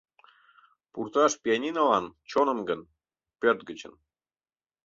Пурташ пианинылан чоным гын, пӧрт гычын